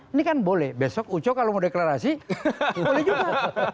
ini kan boleh besok uco kalau mau deklarasi boleh juga